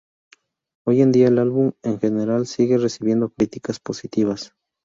Hoy en día, el álbum, en general, sigue recibiendo críticas positivas.